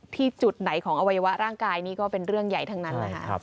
ที่จุดไหนของอวัยวะร่างกายนี่ก็เป็นเรื่องใหญ่ทั้งนั้นนะคะ